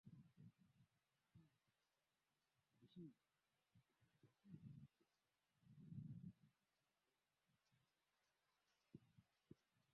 inafuatilia kwa kina huko nchini libya